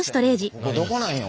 ここどこなんよ？